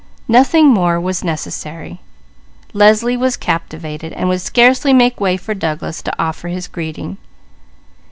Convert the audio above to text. Nothing more was necessary. Leslie was captivated and would scarcely make way for Douglas to offer his greeting.